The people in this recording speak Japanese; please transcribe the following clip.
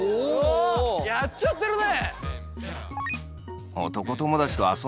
あやっちゃってるね。